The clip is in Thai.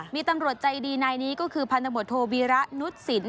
มีตำรวจใจดีนายนี้ก็คือพันธบทโทวีระนุษศิลป